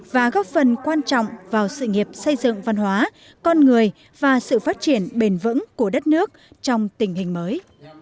và góp phần quan trọng vào sự nghiệp xây dựng văn hóa con người và sự phát triển bền vững của đất nước trong tình hình mới